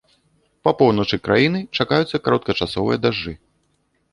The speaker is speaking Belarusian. Па поўначы краіны чакаюцца кароткачасовыя дажджы.